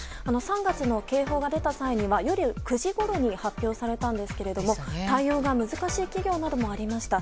３月の警報が出た際は夜９時ごろに発表されたんですが対応が難しい企業などもありました。